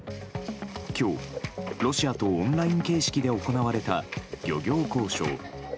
今日、ロシアとオンライン形式で行われた漁業交渉。